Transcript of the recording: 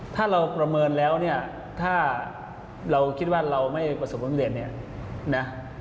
ถ้าเราประเมินแล้วถ้าเราคิดว่าเราไม่ประสบความเรียน